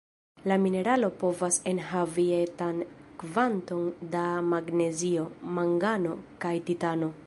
La mineralo povas enhavi etan kvanton da magnezio, mangano kaj titano.